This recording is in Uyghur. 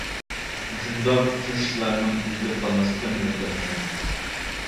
مۇشۇنداق ئۇچرىشىشلارنىڭ ئۈزۈلۈپ قالماسلىقىنى ئۈمىد قىلىمەن.